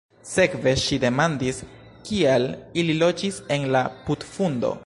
Sekve ŝi demandis: "Kial ili loĝis en la putfundo?"